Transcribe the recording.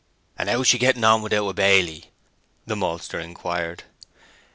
"And how is she getting on without a baily?" the maltster inquired.